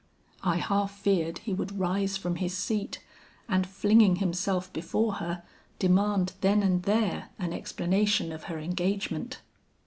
I half feared he would rise from his seat, and flinging himself before her, demand then and there an explanation of her engagement.